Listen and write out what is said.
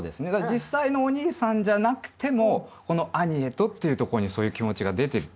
実際のお兄さんじゃなくてもこの「兄へと」っていうところにそういう気持ちが出てる。